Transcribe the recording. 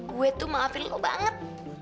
gue tuh maafin lo banget